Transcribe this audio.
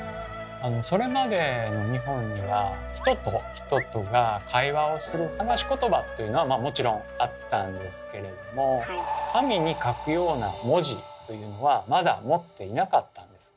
それまでの日本には人と人が会話をする「話しことば」っていうのはまあもちろんあったんですけれども紙に書くような文字というのはまだ持っていなかったんです。